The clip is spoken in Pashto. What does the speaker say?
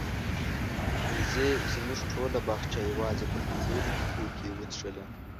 وزې زموږ ټوله باغچه یوازې په پنځو دقیقو کې وڅښله.